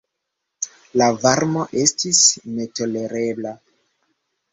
La varmo estis netolerebla.